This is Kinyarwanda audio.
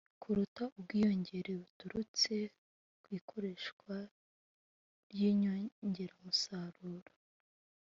kuruta ubwiyongere buturutse ku ikoreshwa ry'inyongeramusaruro.